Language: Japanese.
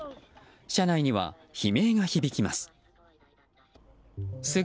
車内には悲鳴が響きます。